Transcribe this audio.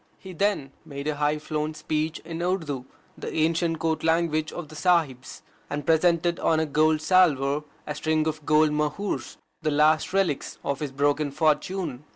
He then made a high flown speech in Urdu, the ancient Court language of the Sahibs, and presented on the golden salver a string of gold mohurs, the last relics of his broken fortune.